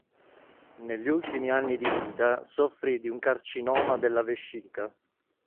Negli ultimi anni di vita soffrì di un carcinoma della vescica.